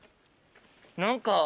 何か。